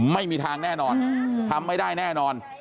ไม่มีทางแน่นอนทำไม่ได้แน่นอน